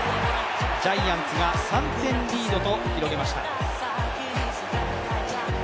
ジャイアンツが３点リードと広げました。